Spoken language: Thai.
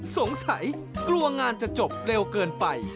สงสัยกลัวงานจะจบเร็วเกินไป